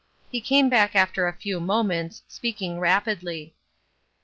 He came back after a few moments, speaking rapidly.